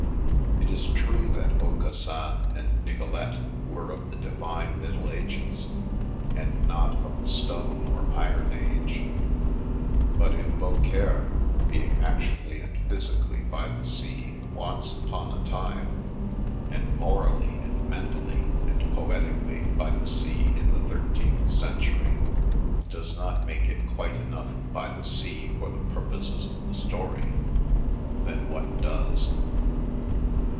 It is true that Aucassin and Nicolete were of the divine Middle Ages, and not of the stone or iron age, but if Beaucaire, being actually and physically by the sea once upon a time, and morally and mentally and poetically by the sea in the thirteenth century, does not make it quite enough by the sea for the purposes of the story, then what does?